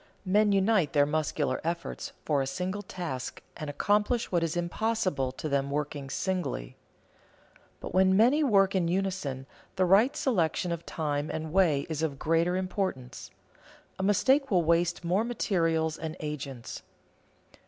Men unite their muscular efforts for a single task, and accomplish what is impossible to them working singly. But when many work in unison, the right selection of time and way is of greater importance; a mistake will waste more materials and agents.